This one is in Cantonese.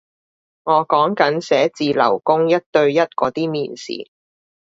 我講緊寫字樓工一對一嗰啲面試